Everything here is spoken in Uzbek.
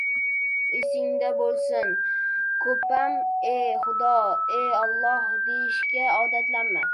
Esingda bo‘lsin, ko‘pam «E, xudo», «E, Olloh» deyishga odatlanma.